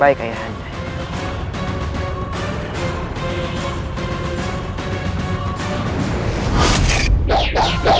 baik ayah anda